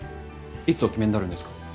いつお決めになるんですか？